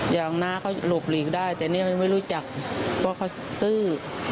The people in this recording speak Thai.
อย่างน้าเขาหลบหลีกได้แต่นี่มันไม่รู้จักเพราะเขาซื้อ